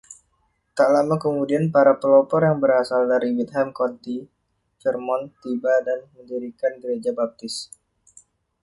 Tak lama kemudian para pelopor yang berasal dari Widham County, Vermont tiba dan mendirikan gereja Baptis.